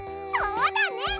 そうだね！